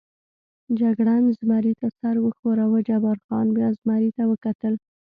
جګړن زمري ته سر و ښوراوه، جبار خان بیا زمري ته وکتل.